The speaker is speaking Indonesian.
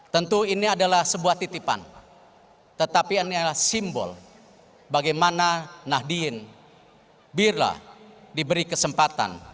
tentu ini adalah sebuah titipan tetapi adalah simbol bagaimana nahdin birla diberi kesempatan